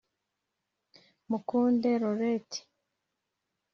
Mukunde Laurette